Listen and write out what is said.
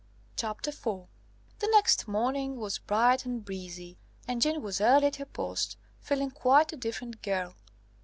IV The next morning was bright and breezy, and Jeanne was early at her post, feeling quite a different girl.